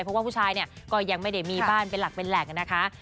เพราะว่าผู้ชายเนี่ยก็ยังไม่ได้มีบ้านเป็นหลักเป็นแหล่งนะคะ